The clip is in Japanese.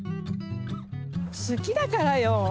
すきだからよ。